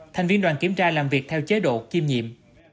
thành viên đoàn kiểm tra làm việc theo chế độ kiêm nhiệm